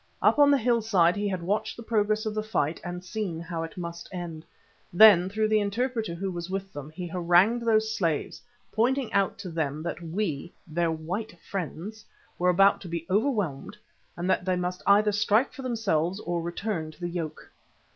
Up on the hillside he had watched the progress of the fight and seen how it must end. Then, through the interpreter who was with him, he harangued those slaves, pointing out to them that we, their white friends, were about to be overwhelmed, and that they must either strike for themselves, or return to the yoke.